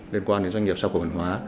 liên quan đến doanh nghiệp sau cổ phần hóa